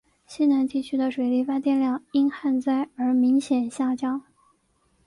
西南地区的水力发电量因旱灾而明显下降。